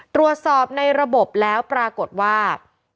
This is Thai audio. ตรวจสอบในระบบแล้วปรากฏว่า